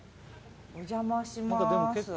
お邪魔します。